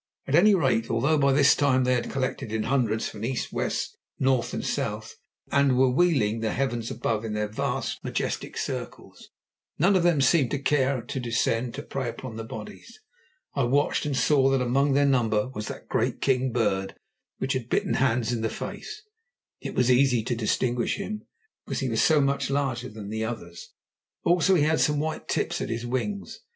At any rate, although by this time they had collected in hundreds from east, west, north, and south, and were wheeling the heavens above in their vast, majestic circles, none of them seemed to care to descend to prey upon the bodies. I watched, and saw that among their number was that great king bird which had bitten Hans in the face; it was easy to distinguish him, because he was so much larger than the others. Also, he had some white at the tips of his wings.